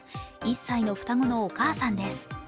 １歳の双子のお母さんです。